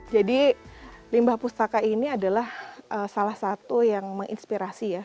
jadi limbah pustaka ini adalah salah satu yang menginspirasi ya